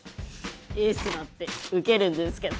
エースだってウケるんですけど。